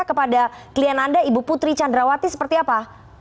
kepada klien anda ibu putri candrawati seperti apa